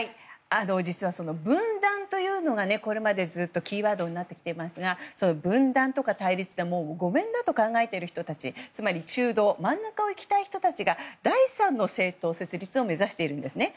実は分断というのがこれまでずっとキーワードになってきていますが分断とか対立はもうごめんだと考えている人たちつまり、中道真ん中を生きたい人たちが第３の政党設立を目指しているんですね。